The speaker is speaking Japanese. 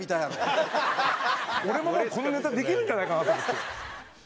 俺ももうこのネタできるんじゃないかなと思ってる。